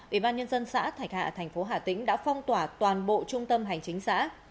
ủy ban nhân dân xã thạch hạ thành phố hà tĩnh đã phong tỏa toàn bộ trung tâm hành chính xã